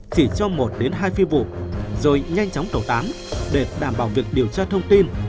chỉ trong một đến hai phi vụ rồi nhanh chóng tẩu tán để đảm bảo việc điều tra thông tin